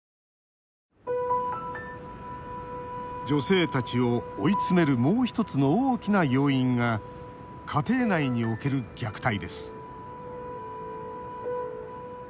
女性たちを追い詰めるもう１つの大きな要因が家庭内における虐待です。